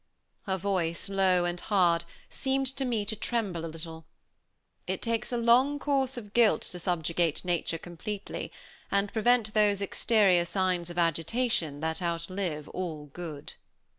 Her voice, low and hard, seemed to me to tremble a little. It takes a long course of guilt to subjugate nature completely, and prevent those exterior signs of agitation that outlive all good.